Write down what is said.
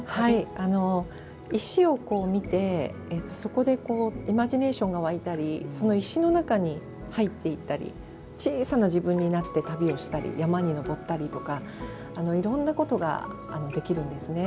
石を見てそこでイマジネーションがわいたりその石の中に入っていったり小さな自分になって旅にしたり山に登ったりとかいろんなことができるんですね。